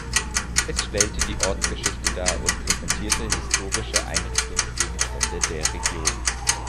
Es stellte die Ortsgeschichte dar und präsentiert historische Einrichtungsgegenstände der Region.